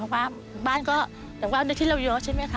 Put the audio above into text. เพราะว่าบ้านก็แต่ว่าในที่เราเยอะใช่ไหมคะ